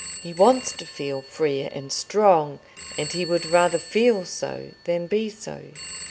He wants to feel free and strong, and he would rather feel so than be so.